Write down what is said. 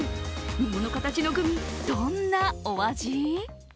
桃の形のグミ、どんなお味？